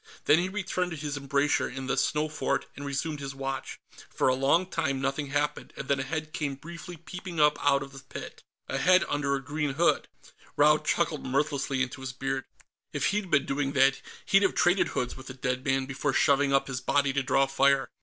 Then he returned to his embrasure in the snow fort and resumed his watch. For a long time, nothing happened, and then a head came briefly peeping up out of the pit. A head under a green hood. Raud chuckled mirthlessly into his beard. If he'd been doing that, he'd have traded hoods with the dead man before shoving up his body to draw fire.